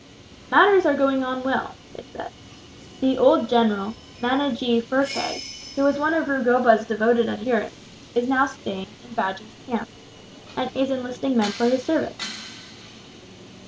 "Matters are going on well," they said. "The old general, Manajee Phurkay, who was one of Rugoba's devoted adherents, is now staying in Bajee's camp, and is enlisting men for his service."